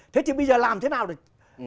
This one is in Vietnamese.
thế thì bây giờ làm thế nào được